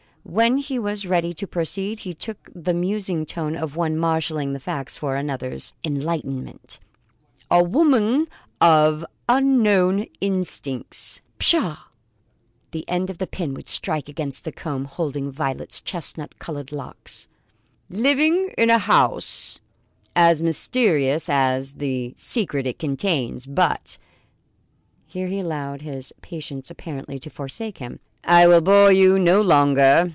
When he was ready to proceed, he took the musing tone of one marshalling facts for another's enlightenment: "A woman of unknown instincts " "Pshaw!" The end of the pin would strike against the comb holding Violet's chestnut coloured locks. "Living in a house as mysterious as the secret it contains. But " here he allowed his patience apparently to forsake him, "I will bore you no longer.